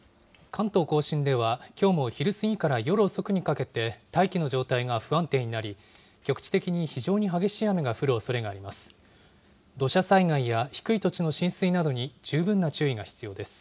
関東甲信では、きょうも昼過ぎから夜遅くにかけて、大気の状態が不安定になり、局地的に非常に激しい雨が降るおそれがあります。